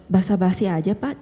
bahasa basi saja pak